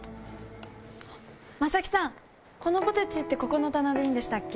柾木さん、このポテチってここの棚でいいんでしたっけ？